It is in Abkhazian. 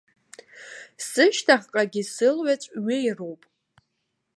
Сышьҭахьҟагьы сылҩаҵә ҩеироуп.